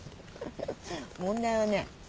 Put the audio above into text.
問題はね